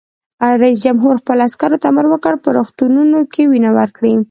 رئیس جمهور خپلو عسکرو ته امر وکړ؛ په روغتونونو کې وینه ورکړئ!